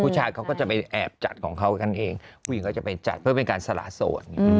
เขาก็จะไปแอบจัดของเขากันเองผู้หญิงเขาจะไปจัดเพื่อเป็นการสละโสด